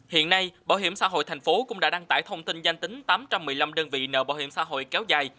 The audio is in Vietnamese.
hiện nay bảo hiểm xã hội thành phố cũng đã đăng tải thông tin danh tính tám trăm một mươi năm đơn vị nợ bảo hiểm xã hội kéo dài